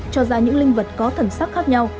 cho ra những linh vật có thẩm sắc khác nhau